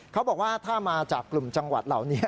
เขาบอกว่าถ้ามาจากกลุ่มจังหวัดเหล่านี้